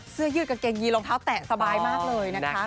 เสื้อยืดกางเกงยีรองเท้าแตะสบายมากเลยนะคะ